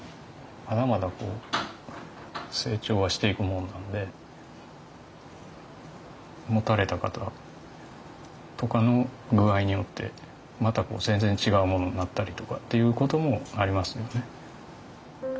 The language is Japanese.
まだまだ成長はしていくもんなんで持たれた方とかの具合によってまた全然違うものになったりとかっていう事もありますよね。